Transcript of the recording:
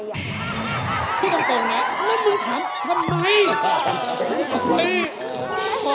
พี่ต้องตรงนะแล้วมึงถามทำไม